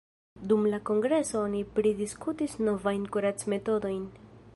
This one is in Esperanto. Dum la kongreso oni pridiskutis novajn kuracmetodojn.